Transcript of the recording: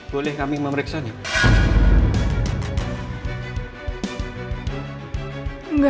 boleh kami memeriksa brightness biladarnya